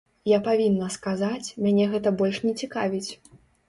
Я павінна сказаць, мяне гэта больш не цікавіць.